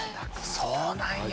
そうなんや。